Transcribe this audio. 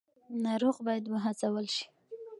ناروغ باید وهڅول شي.